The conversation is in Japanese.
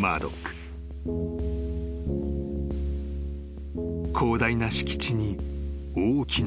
［広大な敷地に大きな家］